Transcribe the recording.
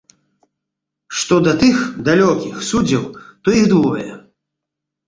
Што да тых, далёкіх, суддзяў, то іх двое.